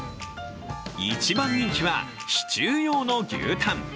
一番人気はシチュー用の牛タン。